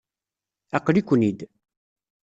Aql-iken-id.